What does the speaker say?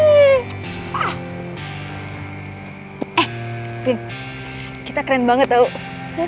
eh vin kita keren banget tau